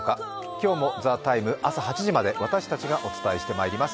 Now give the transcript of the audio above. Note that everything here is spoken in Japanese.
今日も「ＴＨＥＴＩＭＥ’」朝８時までお伝えしてまいります。